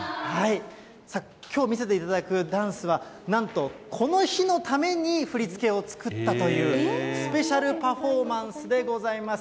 きょう見せていただくダンスは、なんと、この日のために振り付けを作ったという、スペシャルパフォーマンスでございます。